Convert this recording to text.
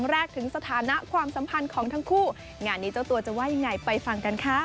รวบข้อมูล